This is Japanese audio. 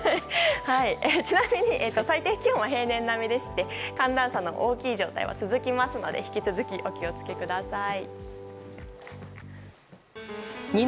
ちなみに最低気温は平年並みで寒暖差の大きい状態は続くので引き続きお気を付けください。